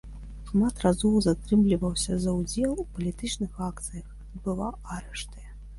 Шмат разоў затрымліваўся за ўдзел у палітычных акцыях, адбываў арышты.